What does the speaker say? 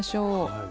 はい。